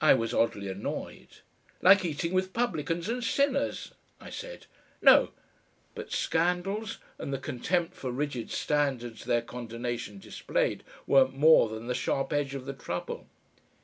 I was oddly annoyed. "Like eating with publicans and sinners," I said. "No!..." But scandals, and the contempt for rigid standards their condonation displayed, weren't more than the sharp edge of the trouble.